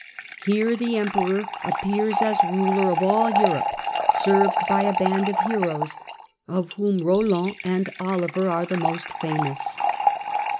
Here the Emperor appears as ruler of all Europe, served by a band of heroes, of whom Roland and Oliver are the most famous.